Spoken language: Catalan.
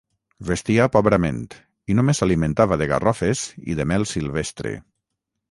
Vestia pobrament, i només s'alimentava de garrofes i de mel silvestre.